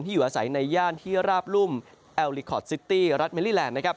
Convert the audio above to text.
ที่อยู่อาศัยในย่านที่ราบรุ่มแอลลิคอทซิตี้รัฐเมริแลนด์